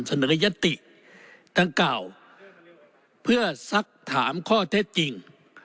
เสนอยัตติดังกล่าวเพื่อสักถามข้อเท็จจริง